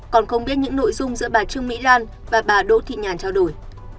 còn không biết những nội dung giữa bà trương mỹ lan và bà đỗ thị nhàn trao đổi